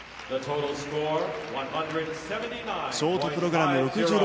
ショートプログラム